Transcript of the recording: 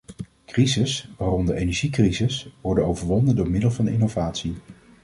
Crises, waaronder energiecrises, worden overwonnen door middel van innovatie.